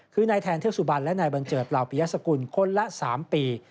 คือนายแทนเทือกสุบันและนายบัญเจิดเหล่าปียสกุลคนละ๓ปี